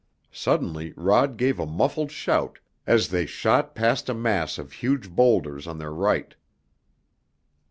Suddenly Rod gave a muffled shout as they shot past a mass of huge boulders on their right.